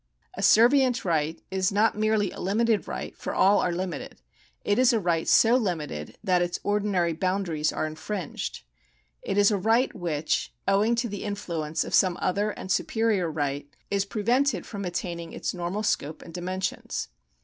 A servient right is not merely a limited right, for all are limited ; it is a right so limited that its ordinary boundaries are infringed. It is a right which, owing to the influence of some other and superior right, is prevented from attaining its normal scope and dimensions.